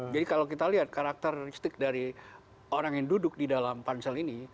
jadi kalau kita lihat karakteristik dari orang yang duduk di dalam pansel ini